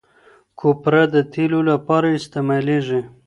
کوپره د تېلو لپاره استعمالیږي.